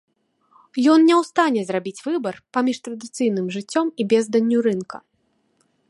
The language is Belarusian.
Ён не ў стане зрабіць выбар паміж традыцыйным жыццём і безданню рынка.